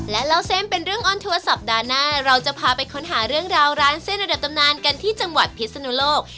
และเล่าเส้นเป็นเรื่องออนทัวร์สัปดาห์หน้าเราจะพาไปค้นหาเรื่องราวร้านเส้นระดับตำนานกันที่จังหวัดพิศนุโลก